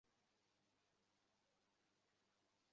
কীসের শব্দ এইটা?